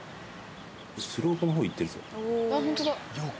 スロープのほう行ってるぞ。